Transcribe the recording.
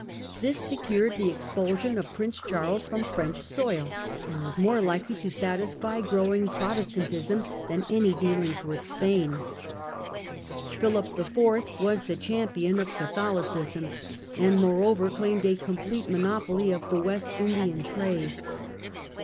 This secured the expulsion Spain? of Prince Charles from French soil, and was more likely to satisfy glowing Protestantism than any dealings with Spain. Philip IV. was the champion of Catholicism, and, moreover, claimed a complete mono poly of the West Indian trade.